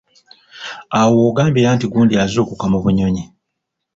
Awo w'ogambira nti gundi azuukuka mu bunnyonyi.